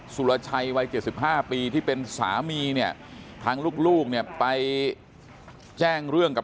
สุรชัยวัย๗๕ปีที่เป็นสามีเนี่ยทางลูกเนี่ยไปแจ้งเรื่องกับ